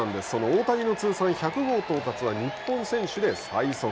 大谷の通算１００号到達は日本選手で最速。